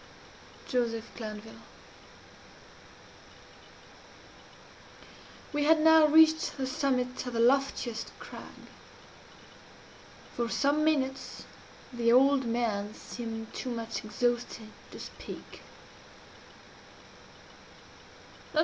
JOSEPH GLANVILLE We had now reached the summit of the loftiest crag. For some minutes the old man seemed too much exhausted to speak.